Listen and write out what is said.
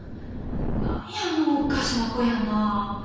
何やのおかしな子やな。